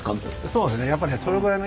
そうですね。